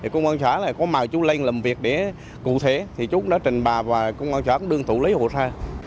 công an trả là có mà chú lây làm việc để cụ thể thì chú cũng đã trình bà và công an trả cũng đương tụ lấy hộ xa